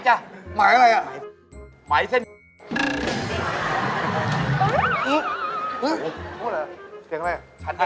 ฉันเป็นกันไอ